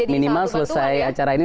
minimal selesai acara ini